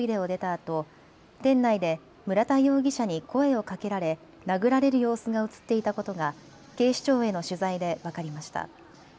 あと店内で村田容疑者に声をかけられ殴られる様子が写っていたことが警視庁への取材で分かりました。